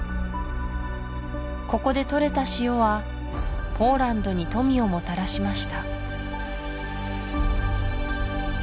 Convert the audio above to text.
ここでとれた塩はポーランドに富をもたらしました